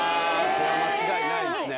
これは間違いないですね